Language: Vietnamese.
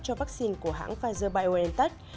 cho vaccine của hãng pfizer biontech